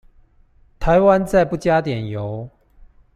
台灣再不加點油